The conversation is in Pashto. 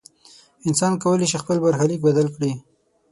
انسان کولی شي خپل برخلیک بدل کړي.